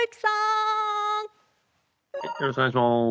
よろしくお願いします。